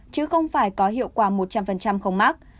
chứ không phải có hiệu quả một trăm linh không mắc